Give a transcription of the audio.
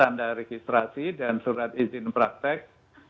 tanda registrasi dan surat izin praktek